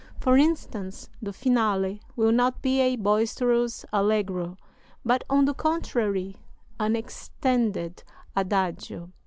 For instance, the Finale will not be a boisterous Allegro, but, on the contrary, an extended Adagio."